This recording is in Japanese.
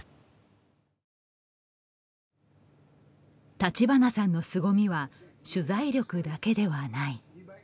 立花さんのすごみは取材力だけではない。